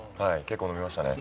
結構飲みましたね。